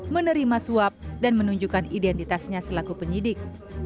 menerima suap dan menunjukkan identitasnya selaku penyidik